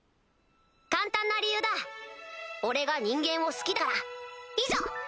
簡単な理由だ俺が人間を好きだから以上！